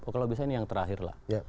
kalau bisa ini yang terakhirlah